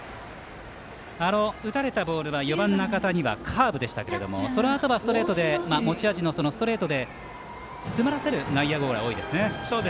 打たれたボールは４番仲田にはカーブでしたけどそのあとは持ち味のストレートで詰まらせる内野ゴロが多いですね。